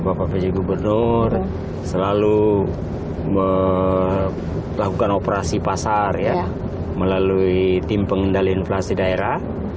bapak pj gubernur selalu melakukan operasi pasar melalui tim pengendali inflasi daerah